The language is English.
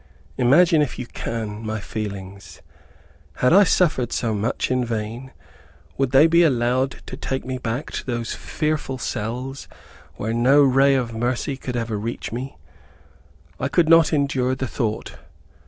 Imagine, if you can, my feelings. Had I suffered so much in vain? Would they be allowed to take me back to those fearful cells, where no ray of mercy could ever reach me? I could not endure the thought.